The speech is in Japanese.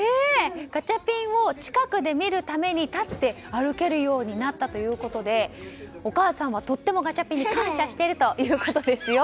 ガチャピンを近くで見るために立って歩けるようになったということでお母さんはとってもガチャピンに感謝しているということですよ。